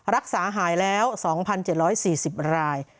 รักษาหายแล้ว๒๗๔๐ราย